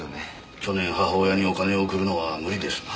去年母親にお金を送るのは無理ですな。